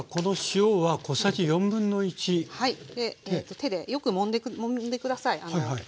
手でよくもんで下さい。